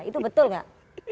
itu betul gak